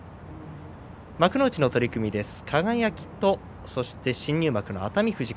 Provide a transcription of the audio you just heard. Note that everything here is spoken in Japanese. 幕内の取組です。